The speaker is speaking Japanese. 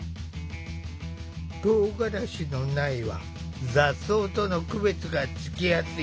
とうがらしの苗は雑草との区別がつきやすい。